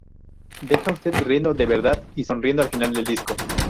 Deja usted riendo de verdad y sonriendo al final del disco".